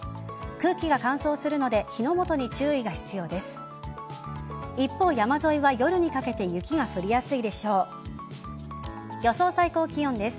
空気が乾燥するので火の元に注意が必要です。